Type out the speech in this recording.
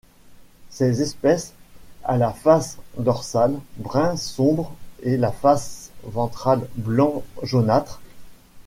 Cette espèce a la face dorsale brun sombre et la face ventrale blanc jaunâtre.